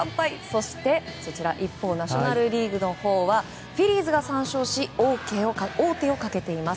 そして一方ナショナル・リーグのほうはフィリーズが３勝して王手をかけています。